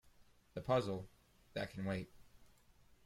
The puzzle — that can wait.